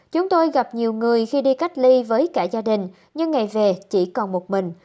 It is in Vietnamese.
chúng tôi gặp nhiều người khi đi cách ly với cả gia đình nhưng ngày về chỉ còn một mình